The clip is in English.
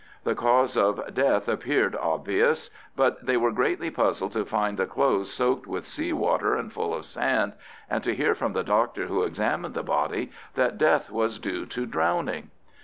The cause of death appeared obvious; but they were greatly puzzled to find the clothes soaked with sea water and full of sand, and to hear from the doctor who examined the body that death was due to—drowning.